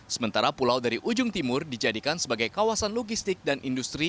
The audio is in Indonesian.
sementara pulau dari ujung timur dijadikan sebagai kawasan logistik dan industri